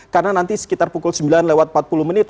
karena nanti sekitar pukul sembilan lewat empat puluh menit